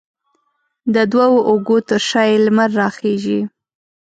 د دوو اوږو تر شا یې لمر راخیژي